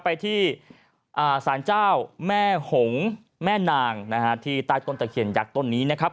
ไปที่สารเจ้าแม่หงค์แม่นางที่ตายต้นตะเขียนอยากต้นนี้นะครับ